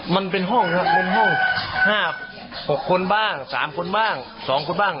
มันเป็นห้องครับบนห้อง๕๖คนบ้าง๓คนบ้าง๒คนบ้าง